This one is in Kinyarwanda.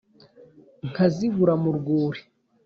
Nkazibura mu rwuri.